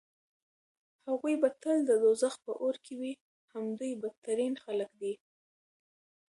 هغوی به تل د دوزخ په اور کې وي همدوی بدترين خلک دي